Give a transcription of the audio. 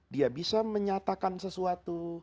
dia bisa menyatakan sesuatu